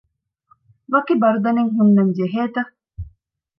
ވަކި ބަރުދަނެއް ހުންނަންޖެހޭތަ؟